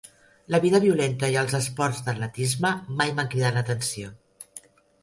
La vida violenta i els esports d'atletisme mai m'han cridat l'atenció.